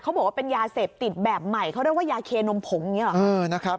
บอกว่าเป็นยาเสพติดแบบใหม่เขาเรียกว่ายาเคนมผงอย่างนี้หรอนะครับ